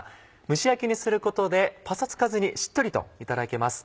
蒸し焼きにすることでパサつかずにしっとりといただけます。